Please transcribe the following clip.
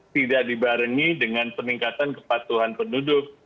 tidak dibarengi dengan peningkatan kepatuhan penduduk